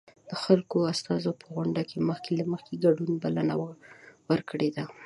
ځانګړو استازو په غونډه کې مخکې له مخکې د ګډون بلنه ورکړې ده.